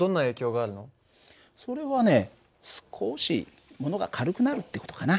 それはね少しものが軽くなるって事かな。